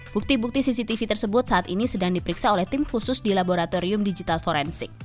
bukti bukti cctv tersebut saat ini sedang diperiksa oleh tim khusus di laboratorium digital forensik